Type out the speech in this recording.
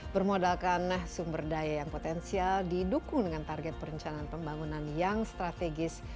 bermodalkan sumber daya yang potensial didukung dengan target perencanaan pembangunan yang strategis